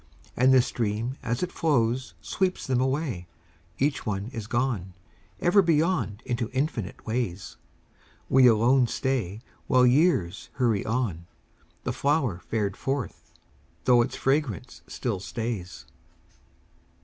And the stream as it flows Sweeps them away, Each one is gone Ever beyond into infinite ways. We alone stay While years hurry on, The flower fared forth, though its fragrance still stays.